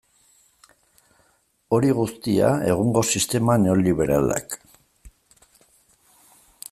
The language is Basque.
Hori guztia egungo sistema neoliberalak.